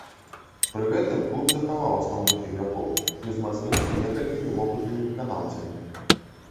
Пры гэтым клуб захаваў асноўных ігракоў і ўзмацніўся некалькімі вопытнымі выканаўцамі.